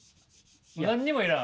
何にも要らん。